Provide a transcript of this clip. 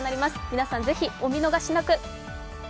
皆さん、ぜひお見逃しなく。